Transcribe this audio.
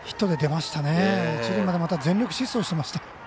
また、一塁まで全力疾走していました。